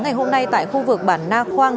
ngày hôm nay tại khu vực bản na khoang